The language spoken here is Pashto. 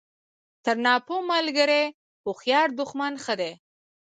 تر ناپوه ملګري هوښیار دوښمن ښه دئ!